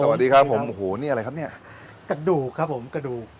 สวัสดีครับผมโอ้โหนี่อะไรครับเนี่ยกระดูกครับผมกระดูก